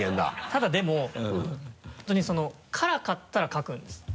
ただでも本当にその辛かったらかくんです。